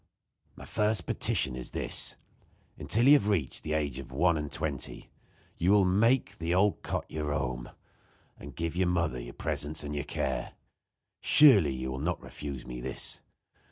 My first petition is this: Until you have reached the age of one and twenty you will make the old cot your home, and give to your mother your presence and your care. Surely, you will not refuse me this.